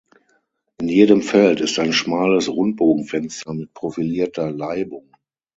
In jedem Feld ist ein schmales Rundbogenfenster mit profilierter Laibung.